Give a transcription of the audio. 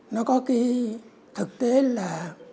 nó có cái thực tế là